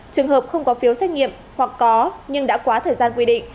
trường hợp không có phiếu xét nghiệm hoặc có nhưng đã quá thời gian quy định